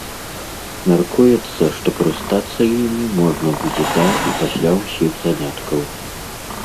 Мяркуецца, што карыстацца імі можна будзе да і пасля ўсіх заняткаў.